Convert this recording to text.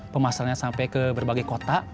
pemasarannya sampai ke berbagai kota